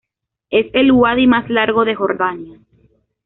Es el uadi más largo de Jordania.